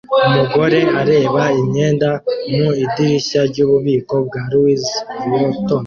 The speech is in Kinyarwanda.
Umugore areba imyenda mu idirishya ryububiko bwa Louis Vuitton